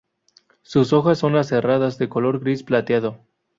Sus hojas son aserradas de color gris plateado.